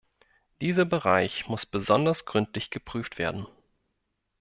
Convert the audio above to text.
Dieser Bereich muss besonders gründlich geprüft werden.